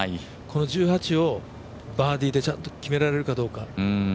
この１８をバーディーでちゃんと決められるかどうか。